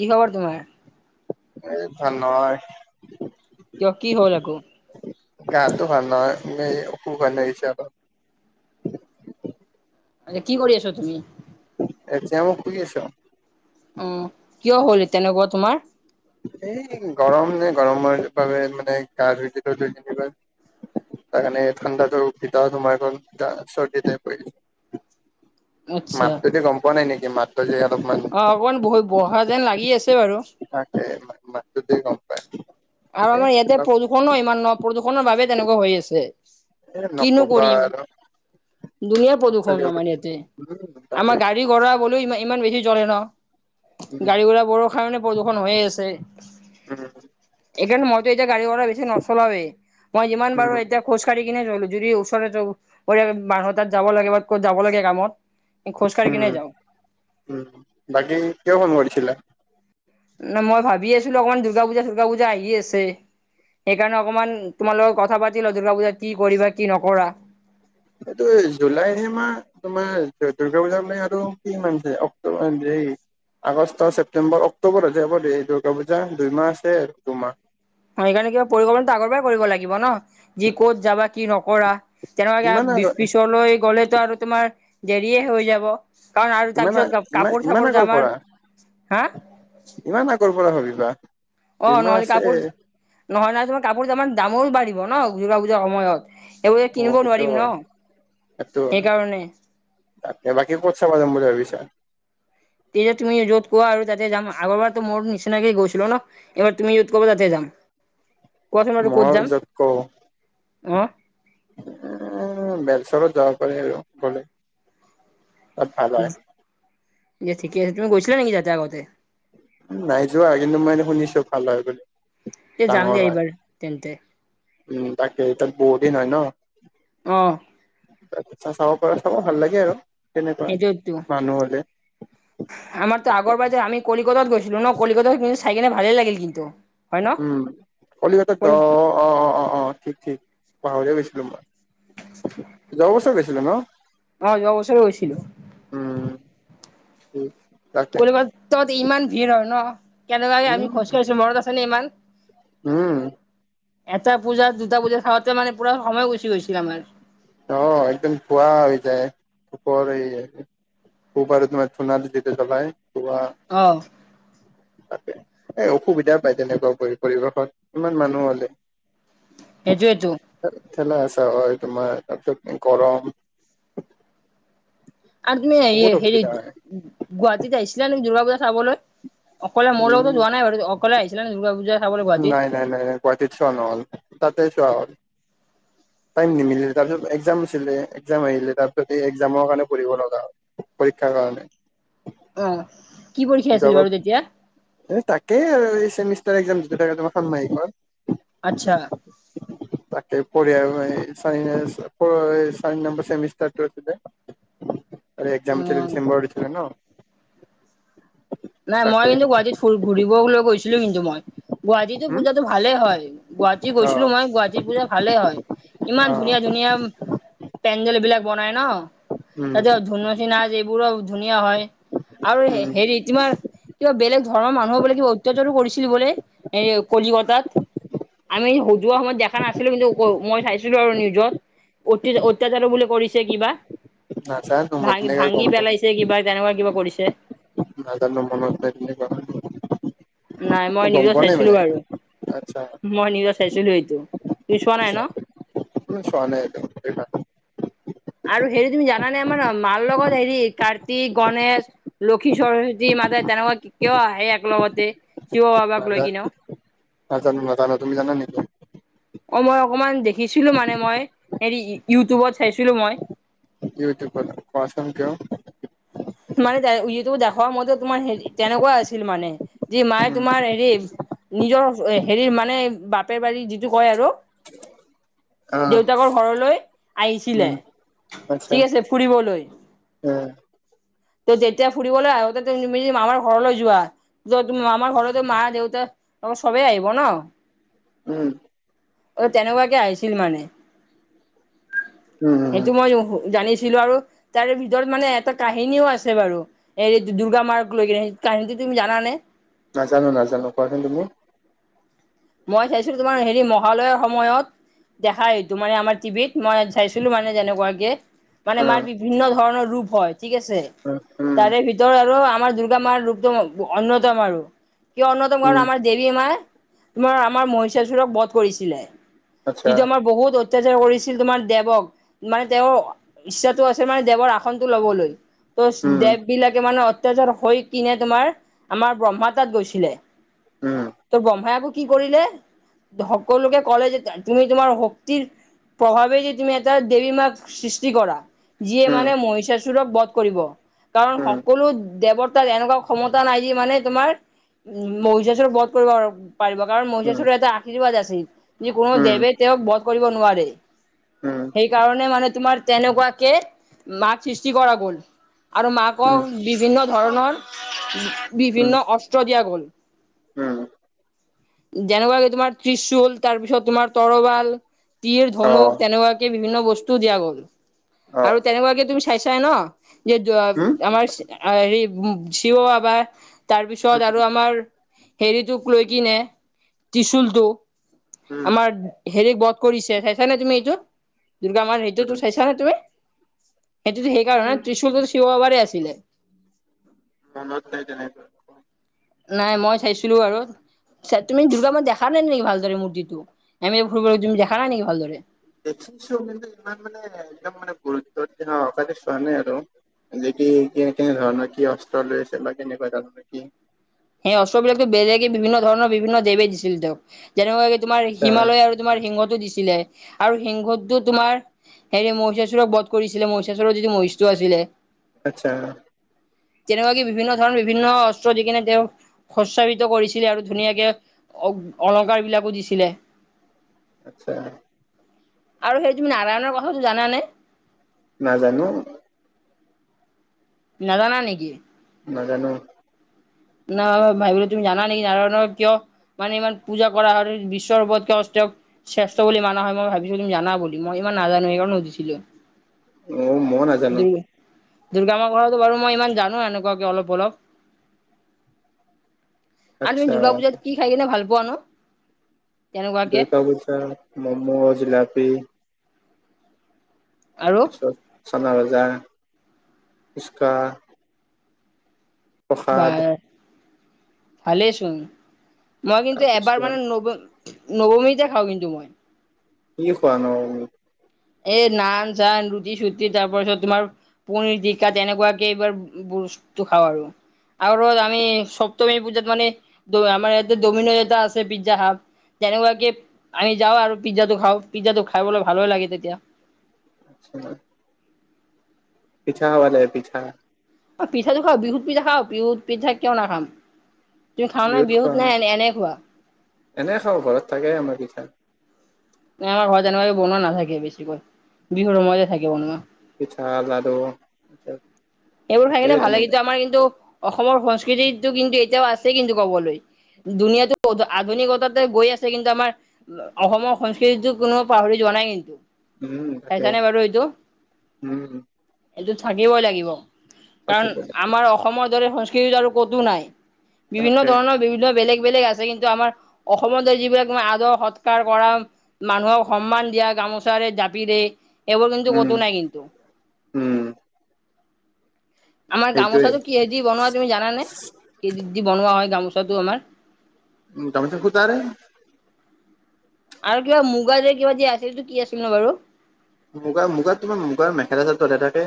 কি খবৰ তোমাৰ। এই ভাল নহৈ। কিও কি হল আকো। গটো ঘাল ন খুব ঘৰ আহ হৈছে আ। এই কি কৰি আছ তুমি। এতিাম খই আছ। অ' কিয় হ'ল তেনেকুৱা তোমাৰ। এই গৰম নে গৰমৰ বাবে মানে গা ধুই দিলো দুইনিবা। তকাৰে ঠাণ্ডাটো ভিত তোমাৰখন চৰ্দিতে পৰি। আচ্ছা। মাতটো যে গম পোৱা নাই নেকি মাতটো যে। অলপমান অ অকমান বহ ব়া যেন লাগি আছে বাৰু। আাক ম দেেই গম পায়। আৰু এ আমাৰ ইয়াতে প্ৰদূৰষণো ইমান ন প্ৰদূৰষণৰ বাবে তেনেকুৱা হৈ আছে। এ নকবা আৰু। দুনীয়া প্ৰদূৰষণ আমাৰ চাৰিওপিনে ইয়াতে। উম তাকে আমাৰ গাড়ী গোড়ৰা বলেও ইমান ইমান বেছি জ্বলে ন উম গাড়ী গোডৰা বোৰৰ কাৰণে। প্ৰদূষণ হৈ আছে। উম। এইকাৰণ মইতো এতিয়া গাড়ীোড় বেছি নষ্টল মই যিমান উম বাৰো এতি খোজকাঢ়ি। কিনেলো যদি ওচৰ মানুহ তাত যাব লাগে বা ক'ত যাব লাগে কামত। খোজকাঢ়ি কিনে যাওঁ। উম বাকী কিয় ফোন কৰিছিলা। ন মই ভাবি আছিলো অকমান দুৰ্গা পূজা দুৰ্গা পূজা আহি আছে। সেইকাৰণে অকমান তোমাৰ লগত কথা পাতিল দুৰ্গা পূজা কি কৰিবা কি নকৰা। এইটো জুলাইে মা তোমাৰ দুৰ্গা পূজা বলে আৰু কি অক্টোবৰ। এই আগষ্ট ছেপটেম্বৰ অক্টোবৰ যাব দ এই দুৰ্গা পূজা দুইমাহ আছে আৰু দুমাহ। লিব ন যি ক'ত যাবা কি নকৰা ইমান তেনেকুৱাকে আগত পিছলৈ গ'লে। আৰু তোমাৰ দেৰিয়ে হৈ যাব। কাৰণ আৰু ইমান তাৰপিছত ইমান কাপোৰ ইমান চাপোৰ আগৰ জামাৰ পৰা হা ইমান আগৰ পৰা হবি। [unintelligible] অ নহলে কাপোৰ নহলে নাই তো মই কাপোৰ ইমান দামৰো বাঢ়ী। ন দুৰ্গা পুজাৰ সময়ত। এইব অ কিনিব সেইটো নোৱাৰিম ন হয় সেইটো সেইকাৰণে। ত চাবা যাম বুলি ভাবিছা। তেতিয়া তুমি য'ত কোৱা আৰু তাতে যাম আগৰবাৰতো মোৰ নিচিনাকে গৈছিলো ন এইবাৰ তুমি য'ত কা তাতে যাম। মহজতক। আহ। এ বেলচৰত যাব পাৰাৰে আৰু গলে। অ ভাল হয়ায়। যে ঠিক আছে তুম গৈছিলা নেকি যাতে আগতে। নাই যোৱা কিন্তু মই এনে শুনিছো ভাল হয় বুলি। তে যাম ডাঙৰ দিয়া হয় এইবাৰ তেন্তে উম তাকে এ তাত বহুত দিন হয় ন। আহ। তাৰপিছা চাব পৰা চাব ভাল লাগে আৰু। তেনেকুৱা সেইটোতো মানুহ হলে আমাৰতো তাকে আগৰবাজাৰ আ। কলিকাতাত গৈছিলো ন কলিকাত কিন্তু চাইকনে ভালেই লাগিল কিন্তু। হয় ন উম কলিকটা কলি অ অ অ অ ঠিক ঠিক। পাহজ বিছলোব। অৱস্থাত গ আছিলে ন। অ অৱছৰে গৈছিলো। উম। তাকে ক তত ইমান ভিৰ হয় ন কেনেকুৱাকে আমি উম খোজকাঢ়িছো মৰত আছেনেে ইমান। উম। এটা পূজা দুটা পূজা খাওঁতে মানে পুৰা সময় গুচি গৈছিল আমাৰ। অ একদম খোৱা হৈ যায় পৰ। খুবাৰত মে থোনাল যিতিয়া চাবাই। আহ। তাকে এ অসুবিধা পায় তেনেকুৱা পৰি পৰিৱেশত ইমান মানুহ হলে। হযো এটোু। থেলা-হেচা হয় তোমাৰ তাতো গৰম। আৰ তুমি হেৰি বহুত অসুবিধা হেৰিত হয় গুৱাহাটীত আহিছিলা নে দুৰ্গা পূজাত। চাবলৈ অকলে মোৰ লগতো উম যোৱা নাই বাৰু অকলে আহছিলে দুৰ্গা পূজাত। নাই, নাই, নাই, নাই। গুৱাহাটীত চোৱা নহ'ল। তাতে চোৱা হ'ল। টাইম নিমিলে তাৰপিছত একজাম আছিলে। একজাম আহিলে, তাৰপিছত এই একজামৰ কাৰণে পঢ়িব লগা হ'ল। পৰীক্ষাৰ কাৰণে। অ', কি পৰীক্ষা আছিল বাৰু তেতিয়া? [unintelligible] তাকে আৰু এই চেমিষ্ট [unintelligible] আচ্ছা। পঢ়িয়া [unintelligible] চাৰি নম্বৰ চেমিষ্টাৰটো আছিলে। আৰু একজাম [unintelligible] অ', ডিচেম্বৰত আছিলে ন? নাই মই তাকে কিন্তু গুৱাহাটীত ফু- ঘুৰিবলৈ গৈছিলো কিন্তু মই। গুৱাহাটীতো উম পূজাটো ভালে হয়, গুৱাহাটী অ গৈছিলো মই গুৱাহাটীৰ পূজা ভালেই হয়। ইমান অ ধুনীয়া ধুনীয়া পেন্দেল বিলাক। বনাই ন? উম তাত ধুনমুচি নাচ এইবোৰো ধুনীয়া হয়, আৰু উম হেৰিত তোমাৰ কিবা বেলেগ ধৰ্মৰ মানুহ বোলে কিবা অত্যাচাৰো কৰিছিল বোলে। এই কলিকতাত। আমি সজোৱা সময়ত দেখা নাছিলোঁ কিন্তু, ওক মই চাইছিলো আৰু নিউজত। অতিজ অত্যাচাৰঝ বোলে কৰিছে কিবা। নাজানো মই ভাঙি তেনেকে ভাঙি গম পোৱা নাই, পেলাইছে কিবা তেনেকুৱা কিবা কৰিছে। নাজানো মনত [unintelligible] নাই মই গম নিউজত পোৱা নাই চাইছিলো মানে বাৰু। আচ্ছা মই নিউজত চাইছিলো এইটো। তুমি চোৱা নাই ন? মই চোৱা নাই একদম [unintelligible] আৰু হেৰি তুমি জানেনে আমাৰ মাৰ লগত হেৰি তাত তী, গণেশ, লক্ষী, সৰস্বতী মাতাই তেনেকুৱা কিয় আহে একলগতে? শিৱ বাবাক নাজা লাগি ন? নাজানো নজানো তুমি জানা নে কিয়? অ, মই অকমান দেখিছিলো মানে মই, হেৰি ইউটিউবত চাইছিলো মই। ইউটিউবত কোৱাচোন তেওঁ। মানে তাএ ইটো দেখোৱা মতে, তোমাৰ হেৰি তেনেকুৱা আছিল মানে। যি মায়ে উম তোমাৰ হেৰি নিজৰ হেৰি মানে বাপে বাৰী যিটো কয় আৰু আহ দেউতাকৰ ঘৰলৈ আহিছিলে। উম আচ্ছা ঠিক আছে। ফুৰিবলৈ। তো যেতিয়া ফুৰিবলৈ আহোঁতে তুমিমি মামাৰ ঘৰলৈ যোৱা। যোৱা তুমি মামাৰ ঘৰতে মা- দেউতা তব চবেই আহিব ন? উম উম অ, তেনেকুৱাকে আহিছিল মানে। উম। সেইটো মই জানিছিলো আৰু তাৰে ভিতৰত মানে এটা কাহিনীও আছে বাৰু এই দুৰ্গা মাৰ্ক লৈ কিনে। কাহিনটো তুমি জান নে? নাজানো নাজানো কোৱাচোন তুমি। মই চাইছিলো তোমাৰ হেৰি মহালয়ৰ সময়ত। দেখা সেইটো মানে আমাৰ টিভিত মই চাইছিলো মানে তেনেকুৱাকে। মানে উম মাৰ বিভিন্ন ধৰণৰ ৰূপ হয় ঠিক আছে। উম উম তাৰে ভিতৰত তৰ আৰু আমাৰ দুৰ্গা মাৰ ৰূপটো ম অন্যতম আৰু, কিয় অন্যতম উম কাৰণ আমাৰ দেৱী মাৰ তোমাৰ আমাৰ মহিচাচোৰক বধ কৰিছিলে। আচ্ছা যিটো আমাৰ বহুত অইত অত্যাচাৰ কৰিছিল তোমাৰ দেৱক, মানে তেওঁৰ ইচ্ছাটো আছিল মানে দেৱৰ আসনটো ল'বলৈ। তোচ উম দেৱবিলাকে মানে অত্যাচাৰ হৈ কিনে তোমাৰ আমাৰ ব্ৰহ্মা তাত গৈছিলে। [unintelligible] তোৰ ব্ৰহ্মাই আক' কি কৰিলে? সকলোকে ক'লে যে তুমি তোমাৰ শক্তিৰ প্ৰভাৱেই যে তুমি এটা দেৱী মাক সৃষ্টি কৰা যিয়ে উম মানে মহিষাাসুৰক বধ কৰিব। কাৰণ উম সকলো দেৱতাৰ এনেকুৱা ক্ষমতা নাই যি মানে তোমাৰ উম মহিষাাসুৰক কৰিব আৰু পাৰিব, কাৰণ উম উম মহিষাাসুৰৰ এটা আশীৰ্বাদ আছিল যে কোনো দেৱে তেওঁক বধ কৰিব নোৱাৰে উম সেইকাৰণে মানে তোমাৰ তেনেকুৱাকে মাত সৃষ্টি কৰা গ'ল। আৰু উম মাকক বিভিন্ন ধৰণৰ, উম বিভিন্ন অস্ত্ৰ দিয়া গল। উম যেনেকুৱাে তোমাৰ ত্ৰিশুল তাৰপিছত তোমাৰ তৰবাল [inaudible] অ ধনু তেনেকুৱাকে বিভিন্ন বস্তু দিয়া গ'ল, অ আৰু তেনেকুৱাকে তুমি চাই- চাই ন? যে উম আমাৰ হে শিৱ বাবায়ে উম তাৰপিছত আৰু আমাৰ হেৰিটোক লৈ কিনে ত্ৰিশুলটোক উম আমাৰ হেৰি বধ কৰিছে চাইছানে, তুমি এইটো? দুূৰ্গা মাৰ হেয়টো তো উম চাইছা নে তুমি? সেইটোতো, সেইকাৰণে ত্ৰিশুলটো শিৱবাবাৰেই আছিলে। [unintelligible] নাই, মই চাইছিলো আৰু,। তুমি দুৰ্গা মা দেখা নাই নেকি ভালদৰে মূৰ্তিটো আমি ফুৰিবলৈ তুমি দেখা নাই নেকি ভালদৰে দেখিছো, কিন্তু ইমান মানে একদম মানে গুৰুত্বৰ দি [inaudible] চোৱা নাই আৰু। যে কি- কি নে কেনে ধৰণৰ কি অস্ত্ৰ লৈ আছে বা কেনেকুৱা ধৰণৰ কি? সেই অস্ত্ৰবিলাকো বেলেগে বিভিন্ন ধৰণৰ বিভিন্ন দেৱী দিছিল তেওঁক যেনেকুৱা কে তোমাৰ আচ্ছা হিমালয় আৰু তোমাৰ সিংহতো দিছিলে আৰু সিংহতটো তোমাৰ হেৰি মহিষাসুৰক বধ কৰিছিলে মহিষাসুৰৰ যদি মহিষ্টো আছিলে। আচ্ছা। তেনেকুৱা, কি বিভিন্ন ধৰণৰ বিভিন্ন অস্ত্ৰ দি কিনে তেওঁ সস্সাৱিত কৰিছিলে আৰু ধুনীয়াকে অলংকাৰ বিলাকো দিছিলে। আচ্ছা আৰু, সেই তুমি নাৰায়ণৰ কথাটো জানানে? নাজানো নাজানা নেকি? নাজানো। ন ভাবিলো তুমি জানা নেকি, নাৰায়ণৰ কিয় মানে ইমান পূজা কৰা হয়। বিশ্বৰ ৰূপত তেওঁৰ শ্ৰেষ্ঠ বুলি মানা হয় মই ভাবিছিলো তুমি জানা বুলি, মই ইমান নাজানো। সেইকাৰণে সুধিছিলো। অ, ম- মই নাজানো। দুৰ্গা মা কথাটো বাৰু মই ইমান জানো এনেকুৱাকে অলপ- অলপ। আৰু তুমি আচ্ছা দুৰ্গা পূজাত কি খাই কিনে ভাল পোৱা নো? তেনেকুৱাকে দুৰ্গা পূজাত মমো - জিলাপি আৰু তাৰপিছত চানা ভাজা, পুচকা। প্ৰসাদ ভালেই চোন, মই কিন্তু এবাৰ তাৰপিছত মানে নব নৱমীতে খাও কিন্তু মই। কি খোৱা নো? এ নান -চান, ৰুটি -চুটি তাৰ পাছত তোমাৰ পনীৰটিকা তেনেকুৱাকে এইবাৰ বস্তুটো খাওঁ আৰু আৰু আমি সপ্তমী পূজাত মানে আমাৰ ইয়াতে দমিনজ এটা আছে পিজ্জা হাপ তেনেকুৱাকে আমি যাওঁ, আৰু পিজ্জাটো খাওঁ পিজ্জাটো খাইবলৈ ভালো লাগে তেতিয়া। [inaudible] পিঠা খাব লাগে পিঠা। অ পিঠাটো খাওঁ, বিহুত পিঠা খাও। বিহুত পিঠা কিয় নাখাম তুমি খাওঁ নে বিহুত, খোৱা ন নে এনেই খোৱা? এনে খাওঁ, ঘৰত থাকেই আমাৰ পিঠা। আমাৰ ঘৰ জানি বনোৱা নাথাকে বেছিকৈ বিহুৰ সময়তে থাকে বনোৱা পিঠা লাডু সেইবোৰ খাই তাকে কিনে ভাল ল তেনেকে কিন্তু আমাৰ কিন্তু অসমৰ সংস্কৃতিটো কিন্তু এতিয়াও আছেই কিন্তু কবলৈ দুুনীয়াটো আধুনিকতাতে গৈ আছে কিন্তু আমাৰ অসমৰ সংস্কৃতিতটো কোনো পাহৰি য জনাই কিন্তু উম তাক চাইছানে বাৰু এইটো উম এইটো থাকিবই লাগিব তাকে কাৰণ আমাৰ অসমৰ দৰে সংস্কৃতি আৰু কতো নাই বিভিন্ন তাকে ধৰণৰ বিভিন্ন বেলেগ বেলেগ আছে কিন্তু আমাৰ অসমত যিবিলাক আদৰ সৎকাৰ কৰা মানুহক সন্মান দিয়া ামচাৰে জাপিৰে এইবোৰ কিন্তু উম কতো নাই কিন্তু উম আমাৰ সেইটোৱে গামোচাতটো কিহ দি বনোৱা তুমি জানে কি দি দি বনোৱা হয় গামোচা চদু আমাৰ উম তমি চ শু তাৰে আৰু কিবা মুগা যে কিবা যে আছিলটো কি আছিল ন বাৰু মুগাৰ মুগা তোমাৰ মুগাৰ মেখেলা চাদ ততে থাকে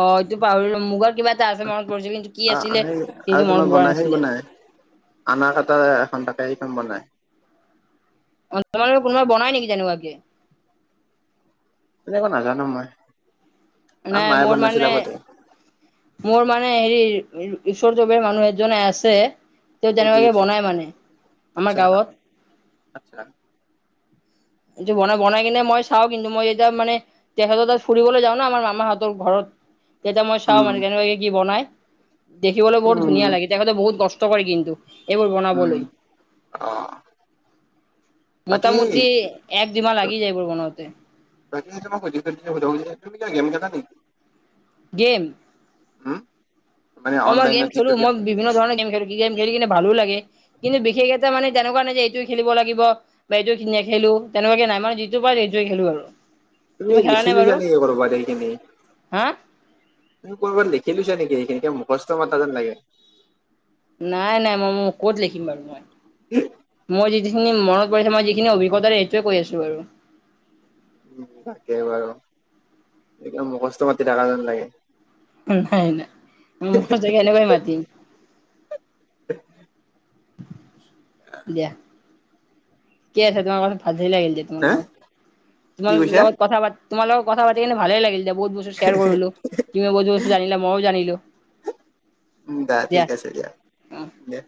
অ এইটো পৰি মুগত কিবা এটা আছে মনত পৰিছে কিন্তু কি আহ আছিলে সেই সটো মনত পৰা নাছিলে আনাৰ কাটাৰ এখন তাকখন বনাই অ কোনোবা বনাই নেকি তেনেকুৱাকে তেনেকুৱা নাজানো মই আৰু নাই মায়ে মোৰ বনাইছিল মানে আগতে মোৰ মানে মান হেৰি ঈশ্বৰ যৱে মানুহ এজনে আছে তেওঁ যেনেবাকে সুধিছিল বনাই মানে আমাৰ আচ্ছা গাঁৱত আচ্ছা এইটো বনাই বনাই কিনে মই চাওঁ কিন্তু মই যেতিয়া মানে তেখতৰ তাত ফুৰিবলৈ যাওঁ ন আাৰ মামাহঁতৰ ঘৰত [unintelligible] তেতিয়া মই চাওঁ উম মানে কেনেুৱাকে কি বনাই দেখিবলৈ বহুত উম ধুনীয়া লাগে তেখেতে বহুত কষ্ট কৰে কিন্তু এইবোৰ উম বনাবলৈ অ বাকী মোটামুটি এক দুমাহ লাগি যায় এইবোৰ বনাওঁতে বাকীই স তুমি কিয় গেম কে হয় গেম হা অ মই গেম খেলো মইভিন্ন ধৰণৰ গেম খেলো কিম খেলি কিনে ভালো লাগে কিন্তু বিশেষ এটা মানে তেনেকুৱা নাই যে এইটো খেলিব লাগিব বা এইটো নেখেলো তেনেকুৱাকে নাই মানে যিটো পায় সেইটোৱে খেলো আৰু তুমি খেলা নে বাৰু লিখিৈছা নেক কৰবা দেেইখিনি হা ক'ৰ এবাৰ লিখি লৈছে নেকি এইখিন মুখস্থ মাতা যেন লাগে নাই নাই মই ম ক'ত লিখিম বাৰু মই মই যিখিনি মনত পৰিছে মই যিখিনি অভিজ্ঞতাাৰে সেইটোৱে কৈ আছো বাৰু উ তাকে বাৰু এক মুখষ্ট পাতি থাকা যেন লাগে নাই নাই ম মুখৰ জেগে এনেকাই মাতিম [unintelligible] দিয়া কি আছে তোমাৰ কথা ভাত লাগিল যে তোমাৰ হা লগত কি তোমাৰ কৈছা? লগত কথাা তোমাৰ লগ কথা পাতি কিনে ভাল লাগিল যেতি বহু ব্ত শেয়াৰলো তুম বহু ব্তু জিলা ময় জিলো উ বাহ ঠিক আছে দিয়া অ দে